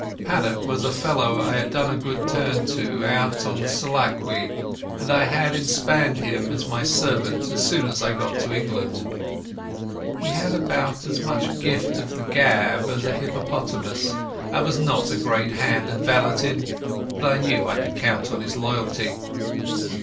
Paddock was a fellow I had done a good turn to out on the Selakwe, and I had inspanned him as my servant as soon as I got to England. He had about as much gift of the gab as a hippopotamus, and was not a great hand at valeting, but I knew I could count on his loyalty.